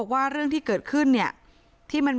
ไม่อยากให้มองแบบนั้นจบดราม่าสักทีได้ไหม